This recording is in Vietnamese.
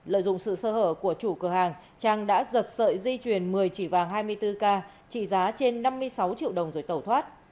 lợi dụng sự sơ hở của chủ cửa hàng trang đã giật sợi dây chuyền một mươi chỉ vàng hai mươi bốn k trị giá trên năm mươi sáu triệu đồng rồi tẩu thoát